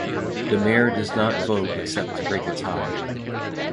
The mayor does not vote except to break a tie.